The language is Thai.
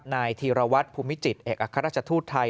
นายธีรวัตรภูมิจิตเอกอัครราชทูตไทย